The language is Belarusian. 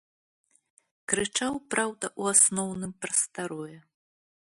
Крычаў, праўда, у асноўным пра старое.